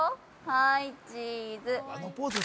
はい、チーズ。